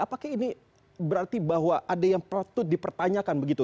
apakah ini berarti bahwa ada yang patut dipertanyakan begitu